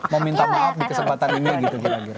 mau minta maaf di kesempatan ini gitu kira kira